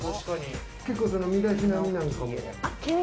結構身だしなみなんかも？